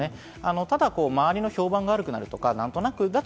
ただ周りの評判が悪くなるとか何となくだと